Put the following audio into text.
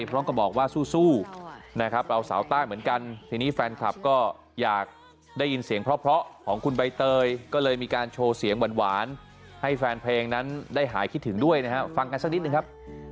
พร้อมกับบอกว่าสู้นะครับเราสาวใต้เหมือนกันทีนี้แฟนคลับก็อยากได้ยินเสียงเพราะของคุณใบเตยก็เลยมีการโชว์เสียงหวานให้แฟนเพลงนั้นได้หายคิดถึงด้วยนะฮะฟังกันสักนิดนึงครับ